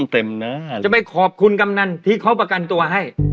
จะไปขอบคุณกำนันที่เขาประกันตัวให้